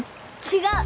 違う！